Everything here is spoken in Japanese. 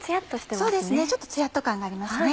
そうですねちょっとツヤっと感がありますね。